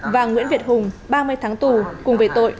và nguyễn việt hùng ba mươi tháng tủ treo